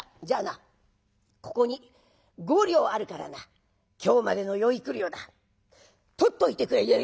じゃあなここに５両あるからな今日までの養育料だ取っといてくれ」。